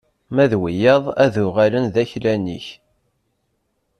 Ma d wiyaḍ ad uɣalen d aklan-ik!